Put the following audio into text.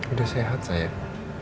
udah sehat sayang